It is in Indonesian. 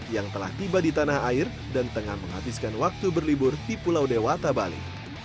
yang telah tiba di tanah air dan tengah menghabiskan waktu berlibur di pulau dewata bali